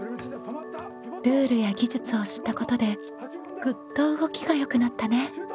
ルールや技術を知ったことでグッと動きがよくなったね。